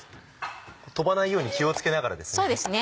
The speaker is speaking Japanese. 飛ばないように気を付けながらですね。